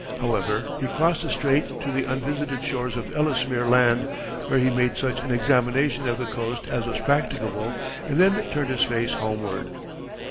However, he crossed the strait to the unvisited shores of Ellesmere Land, where he made such an examination of the coast as was practicable, and then turned his face homeward.